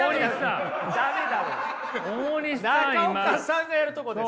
中岡さんがやるとこです。